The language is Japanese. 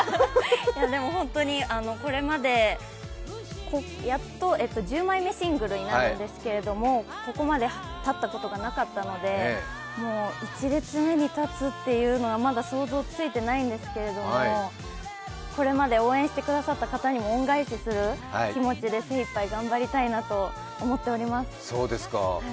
本当に、これまでやっと１０枚目シングルになるんですけどここまで立ったことがなかったので、１列目に立つというのはまだ想像ついてないんですけどこれまで応援してくださった方にも恩返しするつもりで精いっぱい頑張りたいなと思っております。